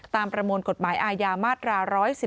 ประมวลกฎหมายอาญามาตรา๑๑๒